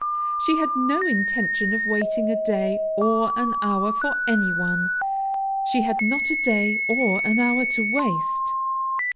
She had no intention of waiting a day or an hour for anyone; she had not a day or an hour to waste.